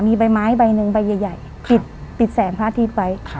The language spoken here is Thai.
มีใบไม้ใบหนึ่งใบใหญ่ปิดแสงพระอาทิตย์ไว้